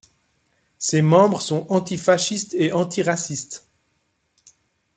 Ses membres sont anti-fascistes et anti-racistes.